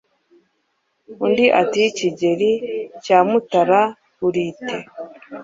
Undi ati "Kigeli cya Mutara urite ,